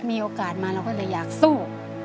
มีโอกาสมาเราก็เลยอยากสู้